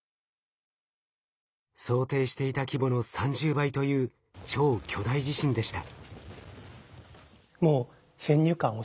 想定していた規模の３０倍という超巨大地震でした。